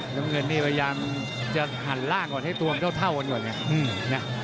น้ำเงินนี่พยายามจะหันล่างก่อนให้ตัวมันเท่ากันก่อนไง